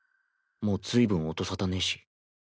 もう随分音沙汰ねぇし。